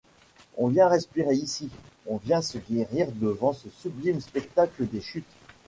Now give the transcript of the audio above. On vient respirer ici, on vient se guérir devant ce sublime spectacle des chutes.